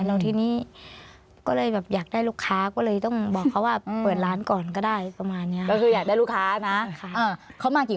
เราที่นี้ก็เลยแบบอยากได้ลูกค้าก็เลยต้องบอกเขาว่าเปิดร้านก่อนก็ได้ประมาณนี้